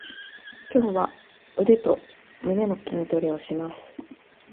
今日は腕と胸の筋トレをします。